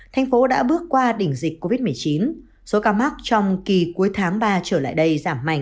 thành phố đã bước qua đỉnh dịch covid một mươi chín số ca mắc trong kỳ cuối tháng ba trở lại đây giảm mạnh